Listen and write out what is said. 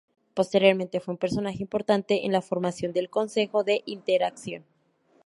Posteriormente, fue un personaje importante en la formación del Consejo de Interacción.